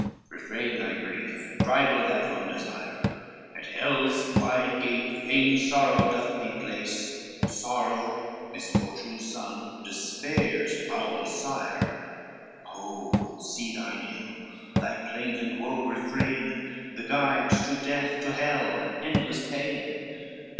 Refrain thy grief, bridle thy fond desire, At hell's wide gate vain sorrow doth thee place, Sorrow, misfortune's son, despair's foul fire: Oh see thine evil, thy plaint and woe refrain, The guides to death, to hell, and endless pain."